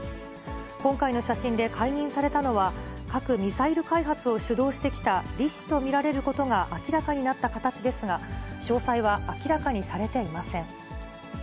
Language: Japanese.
今回の写真で、解任されたのは核・ミサイル開発を主導してきたリ氏と見られることが明らかになった形ですが、詳細は明らかにされていません。